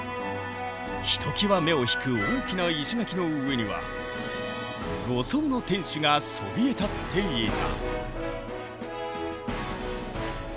ひときわ目を引く大きな石垣の上には５層の天守がそびえ立っていた。